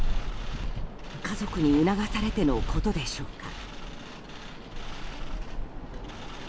家族に促されてのことでしょうか。